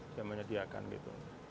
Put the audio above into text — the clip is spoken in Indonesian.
dia menyediakan gitu